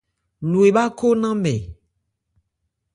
Lò ebhá khó ńnánmɛ.